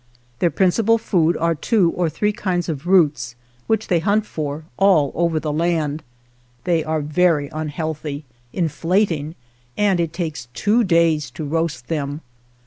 Their principal food are two or three kinds of roots, which they hunt for all over the land ; they are very unhealthy, inflating, and it takes two days to roast them.